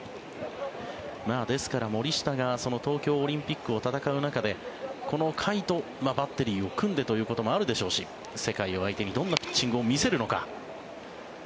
ですから森下が東京オリンピックを戦う中でこの甲斐とバッテリーを組んでということもあるでしょうし世界を相手にどんなピッチングを見せるのか。